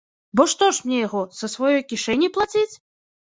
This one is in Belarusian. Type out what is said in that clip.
Бо што ж мне яго, са сваёй кішэні плаціць?